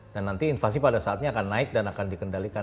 dan nanti inflasi pada saatnya akan naik dan akan dikendalikan